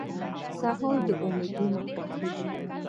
سهار د امیدونو خوښي ده.